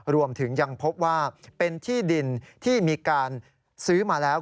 รวมถึงยังพบว่าเป็นที่ดินที่มีการซื้อมาแล้ว